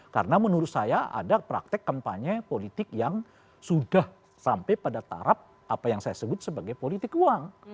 karena menurut saya ada praktek kampanye politik yang sudah sampai pada tarap apa yang saya sebut sebagai politik uang